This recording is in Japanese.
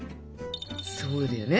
そうだよね。